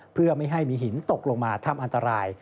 เพื่อไม่ให้มีหินตกลงมาทำอันตราย